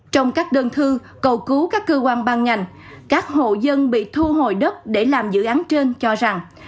trong các đơn thư cầu cứu các cơ quan ban ngành các hộ dân bị thu hồi đất để làm dự án trên cho rằng